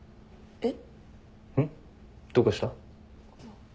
えっ？